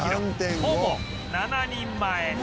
ほぼ７人前